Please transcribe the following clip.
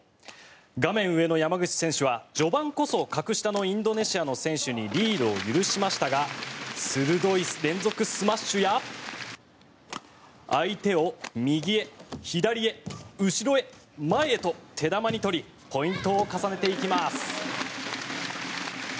画面上の山口選手は序盤こそ格下のインドネシアの選手にリードを許しましたが鋭い連続スマッシュや相手を右へ左へ、後ろへ前へと手玉に取りポイントを重ねていきます。